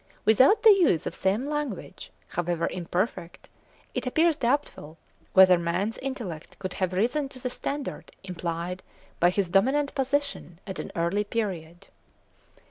Without the use of some language, however imperfect, it appears doubtful whether man's intellect could have risen to the standard implied by his dominant position at an early period.